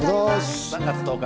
３月１０日